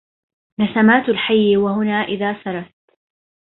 نسمات الحي وهنا إذ سرت